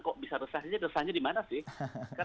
kok bisa resahnya resahnya dimana sih